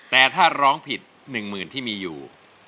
แต่ถ้าร้องผิด๑๐๐๐ที่มีอยู่